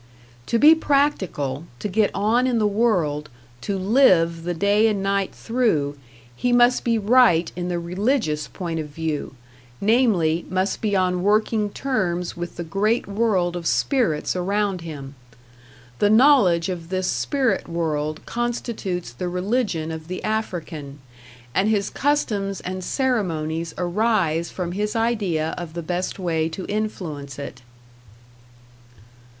To be practical, to get on in the world, to live the day and night through, he must be right in the religious point of view, namely, must be on working terms with the great world of spirits around him. The knowledge of this spirit world constitutes the religion of the African, and his customs and ceremonies arise from his idea of the best way to influence it.